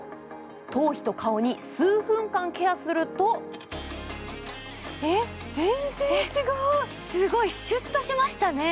頭皮と顔に数分間ケアするとすごい、シュッとしましたね。